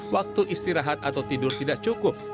waktu istirahat atau tidur tidak cukup